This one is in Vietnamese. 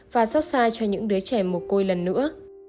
và xót xa cho những đứa trẻ mồ côi lần nữa